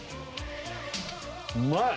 うまい！